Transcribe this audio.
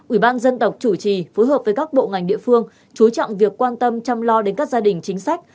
ủy ban dân tộc chủ trì phối hợp với các bộ ngành địa phương chú trọng việc quan tâm chăm lo đến các gia đình chính sách